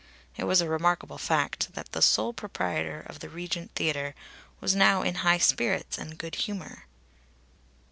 It was a remarkable fact that the sole proprietor of the Regent Theatre was now in high spirits and good humour.